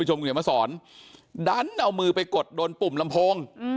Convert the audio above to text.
คุณผู้ชมคุณเขียนมาสอนดันเอามือไปกดโดนปุ่มลำโพง